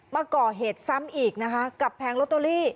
มาก่อเหตุซ้ำอีกนะคะกับแผงลอตเตอรี่